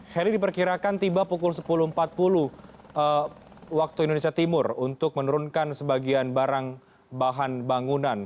heli diperkirakan tiba pukul sepuluh empat puluh waktu indonesia timur untuk menurunkan sebagian barang bahan bangunan